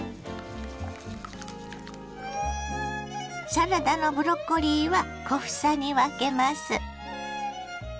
サラダのブロッコリーは小房に分けます。